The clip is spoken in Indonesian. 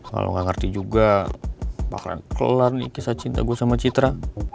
kalau nggak ngerti juga bakalan kelan nih kisah cinta gue sama citra